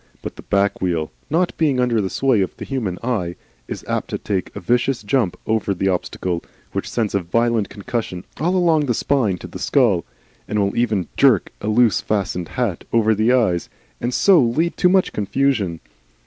But the back wheel, not being under the sway of the human eye, is apt to take a vicious jump over the obstacle, which sends a violent concussion all along the spine to the skull, and will even jerk a loosely fastened hat over the eyes, and so lead to much confusion.